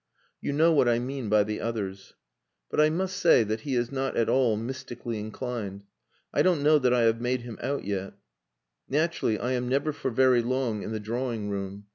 You know what I mean by the others. But I must say that he is not at all mystically inclined. I don't know that I have made him out yet. Naturally I am never for very long in the drawing room.